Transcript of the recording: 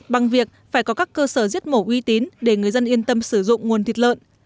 bằng việc phải có các cơ sở giết mổ uy tín để người dân yên tâm sử dụng nguồn thịt lợn